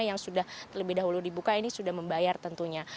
yang sudah terlebih dahulu dibuka ini sudah membayar tentunya